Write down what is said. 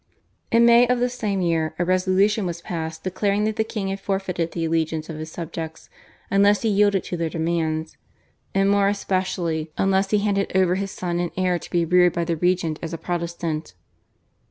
In May of the same year a resolution was passed declaring that the king had forfeited the allegiance of his subjects unless he yielded to their demands, and more especially unless he handed over his son and heir to be reared by the regent as a Protestant.